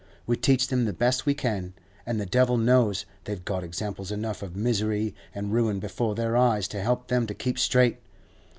We teach them the best we can, and the devil knows they've got examples enough of misery and ruin before their eyes to help them to keep straight.